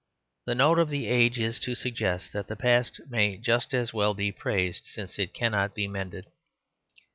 The note of the age is to suggest that the past may just as well be praised, since it cannot be mended.